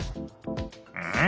うん？